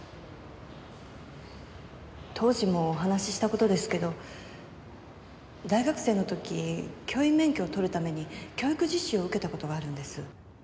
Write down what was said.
当時もお話しした事ですけど大学生の時教員免許をとるために教育実習を受けた事があるんです。